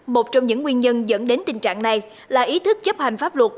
một trong những nguyên nhân dẫn đến tình trạng này là ý thức chấp hành pháp luật